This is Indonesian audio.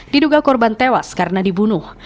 diduga korban tewas karena dibunuh